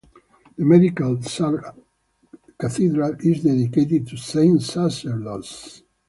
The medieval Sarlat Cathedral is dedicated to Saint Sacerdos.